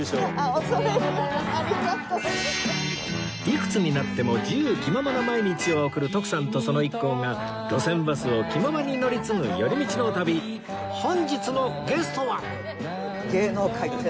いくつになっても自由気ままな毎日を送る徳さんとその一行が路線バスを気ままに乗り継ぐ寄り道の旅本日のゲストは